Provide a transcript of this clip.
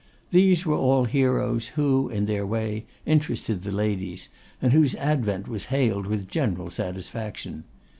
These were all heroes who, in their way, interested the ladies, and whose advent was hailed with general satisfaction.